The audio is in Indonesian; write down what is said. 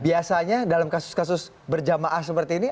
biasanya dalam kasus kasus berjamaah seperti ini